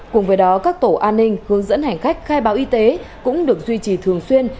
cùng với đó các tổ an ninh hướng dẫn hành khách khai báo y tế cũng được duy trì thường xuyên